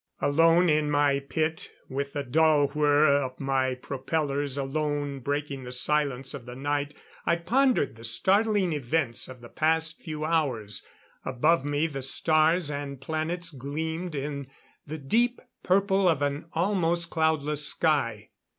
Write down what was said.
] Alone in my pit, with the dull whir of my propellers alone breaking the silence of the night, I pondered the startling events of the past few hours. Above me the stars and planets gleamed in the deep purple of an almost cloudless sky.